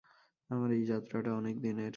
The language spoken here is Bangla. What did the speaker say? আমার এই যাত্রাটা অনেকদিনের।